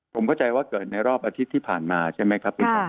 ผมเข้าใจว่าเกิดในรอบอาทิตย์ที่ผ่านมาใช่ไหมครับคุณผู้ชม